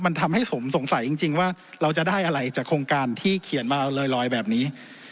มันทำให้สมสงสัยจริงว่าเราจะได้อะไรจากโครงการที่เขียนมาลอยแบบนี้